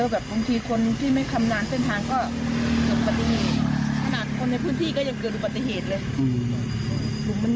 แบบส่วนผู้คนที่ไม่เค้ำงานทางก็เกิดปฏิเหตุ